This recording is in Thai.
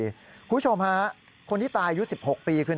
คุณผู้ชมฮะคนที่ตายอายุ๑๖ปีคือ